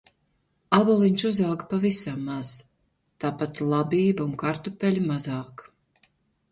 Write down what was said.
Āboliņš uzauga pavisam maz, tāpat labība un kartupeļi mazāk.